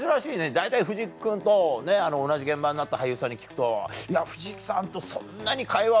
大体藤木君と同じ現場になった俳優さんに聞くと「いや藤木さんとそんなに会話は。